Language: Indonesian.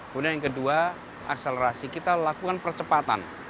kemudian yang kedua akselerasi kita lakukan percepatan